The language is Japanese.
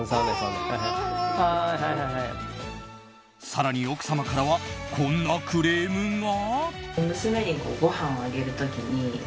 更に奥様からはこんなクレームが？